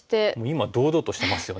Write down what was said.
今堂々としてますよね。